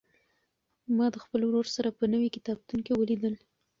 ما د خپل ورور سره په نوي کتابتون کې ولیدل.